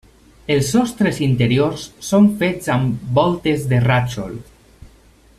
Els sostres interiors són fets amb voltes de rajol.